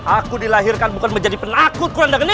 aku dilahirkan bukan menjadi penakut kurang dan ini